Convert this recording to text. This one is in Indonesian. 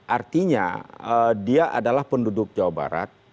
artinya dia adalah penduduk jawa barat